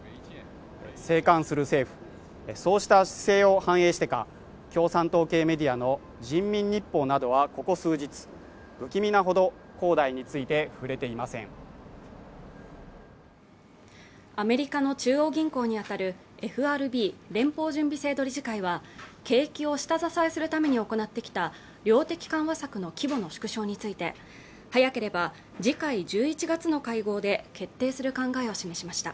静観する政府そうした姿勢を反映してか共産党系メディアの人民日報などはここ数日不気味なほど恒大について触れていませんアメリカの中央銀行にあたるＦＲＢ＝連邦準備制度理事会は景気を下支えするために行ってきた量的緩和策の規模の縮小について早ければ次回１１月の会合で決定する考えを示しました